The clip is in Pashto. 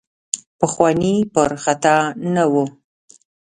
پخواني پر خطا نه وو.